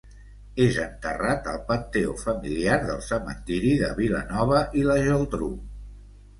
És enterrat al panteó familiar del Cementiri de Vilanova i la Geltrú.